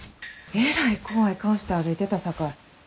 えらい怖い顔して歩いてたさかい。